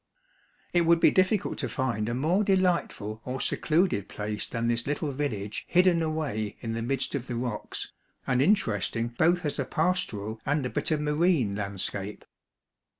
It would be difficult to find a more delightful or secluded place than this little village hidden away in the midst of the rocks, and interesting both as a pastoral and a bit of marine landscape.